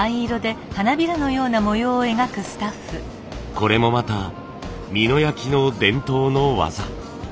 これもまた美濃焼の伝統の技。